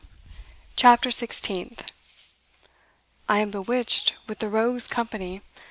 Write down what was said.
CHAPTER SIXTEENTH. "I am bewitched with the rogue's company.